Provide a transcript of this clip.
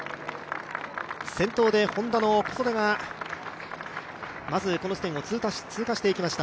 先頭でＨｏｎｄａの小袖がまずこの地点を通過していきました。